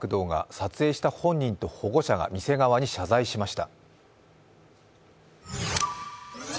撮影した本人と保護者が店側に謝罪しました。